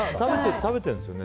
食べてるんですよね？